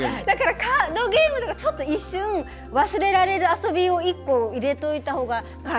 だから、カードゲームとかちょっと一瞬忘れられる遊びを１個、入れといたほうが。